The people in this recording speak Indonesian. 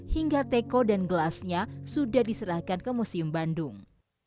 hingga teko dan gelasnya sudah diserahkan ke museum bandung